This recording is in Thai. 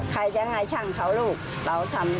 ใครจะง่ายช่างเขาลูกเราทำใจเฉย